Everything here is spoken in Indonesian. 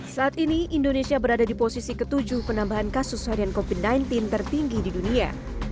saat ini indonesia berada di posisi ke tujuh penambahan kasus harian covid sembilan belas tertinggi di dunia